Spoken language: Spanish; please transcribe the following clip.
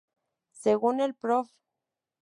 Según el prof.